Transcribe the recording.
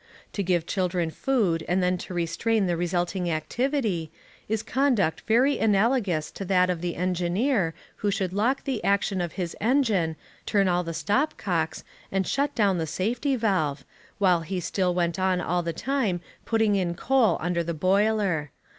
To give children food and then to restrain the resulting activity, is conduct very analogous to that of the engineer who should lock the action of his engine, turn all the stop cocks, and shut down the safety valve, while he still went on all the time putting in coal under the boiler.